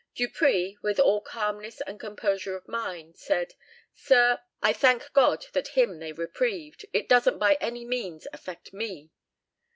Dupree, with all calmness and composure of mind, said, 'Sir, I thank God that him they reprieved; it doesn't by any means affect me.'